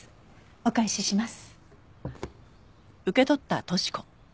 お返しします。